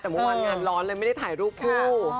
แต่เมื่อวานงานร้อนเลยไม่ได้ถ่ายรูปคู่